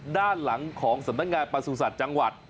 ด้านหลังของสำนักงานประสุทธิ์จังหวัด